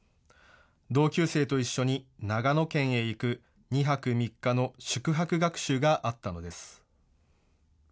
同級生と一緒に長野県へ行く２泊３日の宿泊学習があったのです。